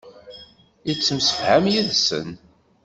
Yettemsefham yid-sen.